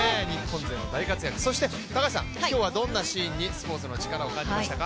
そして、今日はどんなシーンにスポーツのチカラを感じましたか。